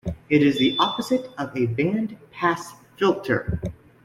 It is the opposite of a band-pass filter.